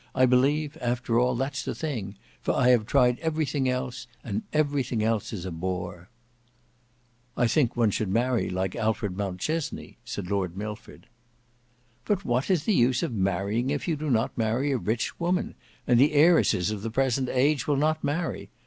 I believe, after all, that's the thing; for I have tried everything else and everything else is a bore." "I think one should marry like Alfred Mountchesney," said Lord Milford. "But what is the use of marrying if you do not marry a rich woman—and the heiresses of the present age will not marry.